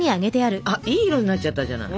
あっいい色になっちゃったじゃない。